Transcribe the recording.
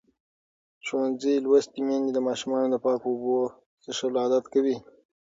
ښوونځې لوستې میندې د ماشومانو د پاکو اوبو څښل عادت کوي.